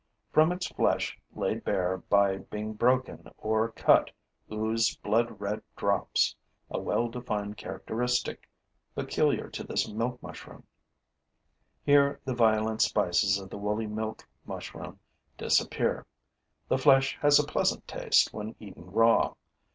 From its flesh laid bare by being broken or cut ooze blood red drops, a well defined characteristic peculiar to this milk mushroom. Here the violent spices of the woolly milk mushroom disappear; the flesh has a pleasant taste when eaten raw.